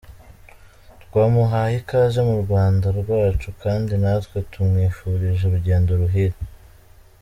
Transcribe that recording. Tumuhaye ikaze mu Rwanda rwacu kandi natwe tumwifurije urugendo ruhire!.